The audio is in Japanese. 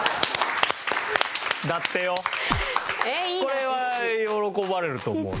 これは喜ばれると思うな。